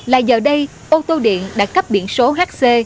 là giờ đây ô tô điện đã cấp biển số hc